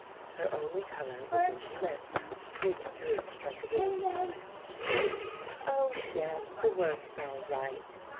Her only color was in her lips, which drooped like a weary child's. "Oh, yes, the work is all right.